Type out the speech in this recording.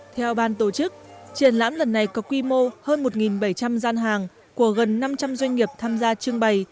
theo ban tổ chức triển lãm lần này có quy mô hơn một bảy trăm linh gian hàng của gần năm trăm linh doanh nghiệp tham gia trưng bày